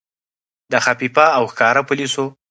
د خفیه او ښکاره پولیسو.